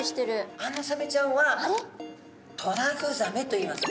あのサメちゃんはトラフザメといいます。